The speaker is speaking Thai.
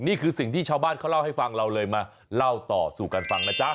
นี่คือสิ่งที่ชาวบ้านเขาเล่าให้ฟังเราเลยมาเล่าต่อสู่กันฟังนะจ๊ะ